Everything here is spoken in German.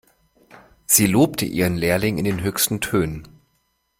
Sie lobte ihren Lehrling in den höchsten Tönen.